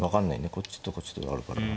こっちとこっちとがあるから。